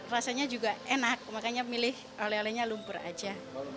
rasanya juga enak makanya milih oleh olehnya lumpur aja